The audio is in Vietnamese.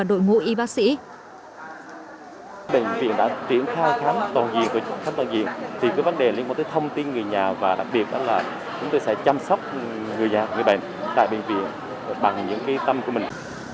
chúng tôi sẽ chăm sóc người nhà người bệnh tại bệnh viện bằng những ý tâm của mình